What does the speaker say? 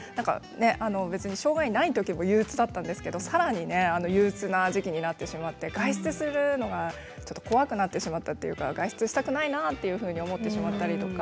別に障害がないときも憂うつだったんですけどさらに憂うつな時期になってしまって外出するのがちょっと怖くなってしまったというか、外出したくないなと思ってしまったりとか。